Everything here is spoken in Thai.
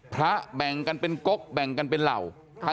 แบ่งกันเป็นกกแบ่งกันเป็นเหล่า